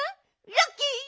ラッキー！